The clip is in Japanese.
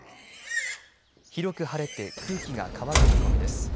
広く晴れて空気が乾く見込みです。